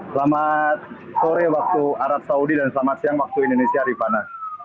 selamat sore waktu arab saudi dan selamat siang waktu indonesia rifana